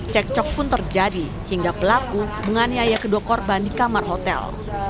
cekcok pun terjadi hingga pelaku menganiaya kedua korban di kamar hotel